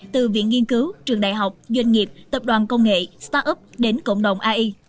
từ viện nghiên cứu trường đại học doanh nghiệp tập đoàn công nghệ start up đến cộng đồng ai